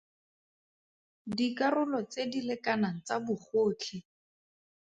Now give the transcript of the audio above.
Dikarolo tse di lekanang tsa bogotlhe.